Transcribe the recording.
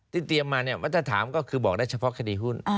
เตรียมมาเนี่ยมาตรฐานก็คือบอกได้เฉพาะคดีหุ้น